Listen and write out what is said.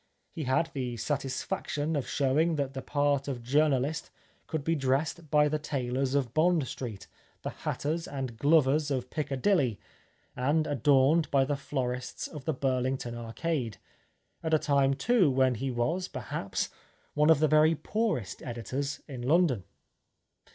He had the satis 269 The Life of Oscar Wilde faction of showing that the part of journahst could be dressed by the tailors of Bond Street, the hatters and glovers of Piccadilly, and adorned by the florists of the Burlington Arcade — at a time, too, when he was, perhaps, one of the very poorest editors in London.